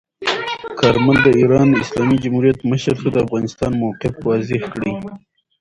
کارمل د ایران اسلامي جمهوریت مشر ته د افغانستان موقف واضح کړ.